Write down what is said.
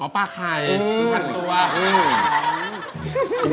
ปลาไข่เป็นพักทันตัว